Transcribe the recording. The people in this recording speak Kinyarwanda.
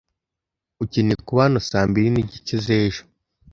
Ukeneye kuba hano saa mbiri n'igice z'ejo.